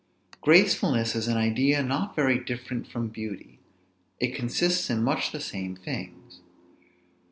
Gracefulness is an idea not very different from beauty; it consists in much the same things.